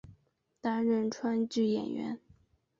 担任川剧演员。